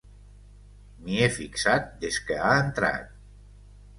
M'hi he fixat des que ha entrat.